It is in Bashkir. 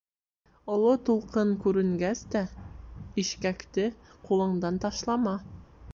Оло тулҡын күренгәс тә, ишкәкте ҡулыңдан ташлама.